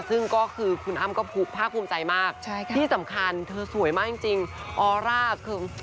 ซึ่งก็คือคุณอ้ำก็ภาคภูมิใจมากที่สำคัญเธอสวยมากจริงออร่าคือ